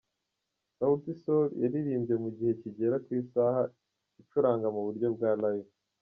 Sauti Sol yaririmbye mu gihe kigera ku isaha icuranga mu buryo bwa live.